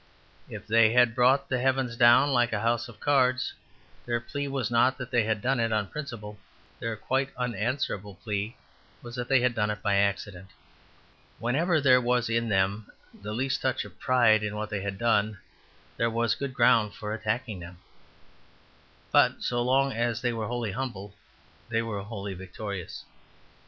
If they had brought the heavens down like a house of cards their plea was not even that they had done it on principle; their quite unanswerable plea was that they had done it by accident. Whenever there was in them the least touch of pride in what they had done, there was a good ground for attacking them; but so long as they were wholly humble, they were wholly victorious.